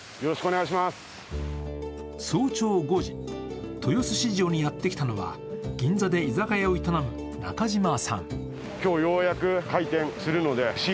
早朝５時、豊洲市場にやってきたのは銀座で居酒屋を営む中島さん。